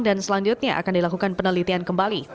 dan selanjutnya akan dilakukan penelitian kembali